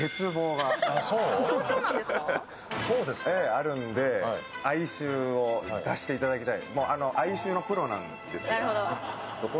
あるんで哀愁を出していただきたい。